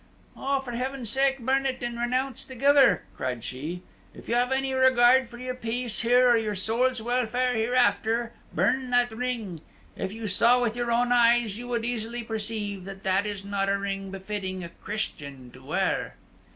"Oh, for Heaven's sake, burn it, and renounce the giver!" cried she. "If you have any regard for your peace here or your soul's welfare hereafter, burn that ring! If you saw with your own eyes, you would easily perceive that that is not a ring befitting a Christian to wear."